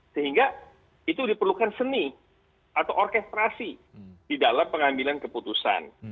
sehingga itu diperlukan seni atau orkestrasi di dalam pengambilan keputusan